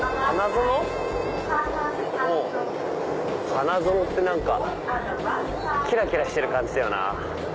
花園って何かキラキラしてる感じだよなぁ。